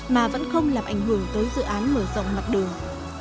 mà vẫn không làm ảnh hưởng tới dự án mở rộng mặt đường